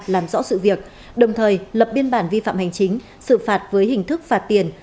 làm rõ sự việc đồng thời lập biên bản vi phạm hành chính xử phạt với hình thức phạt tiền